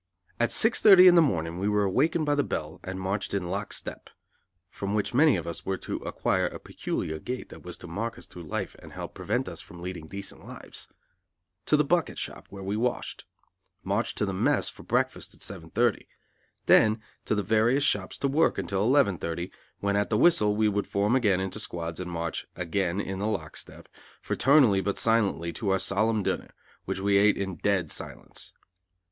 At six thirty in the morning we were awakened by the bell and marched in lock step (from which many of us were to acquire a peculiar gait that was to mark us through life and help prevent us from leading decent lives) to the bucket shop, where we washed, marched to the mess for breakfast at seven thirty, then to the various shops to work until eleven thirty, when at the whistle we would form again into squads and march, again in the lock step, fraternally but silently, to our solemn dinner, which we ate in dead silence.